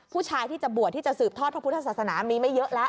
ผู้ชายที่จะบวชที่จะสืบทอดพระพุทธศาสนามีไม่เยอะแล้ว